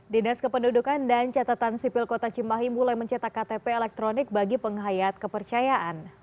dinas kependudukan dan catatan sipil kota cimahi mulai mencetak ktp elektronik bagi penghayat kepercayaan